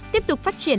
tiếp tục phát triển